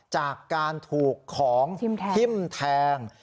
จากการถูกของทิ้มแทง